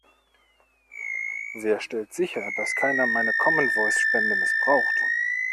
Wer stellt sicher, dass keiner meine Common Voice Spende missbraucht?